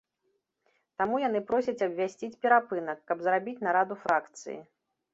Таму яны просяць абвясціць перапынак, каб зрабіць нараду фракцыі.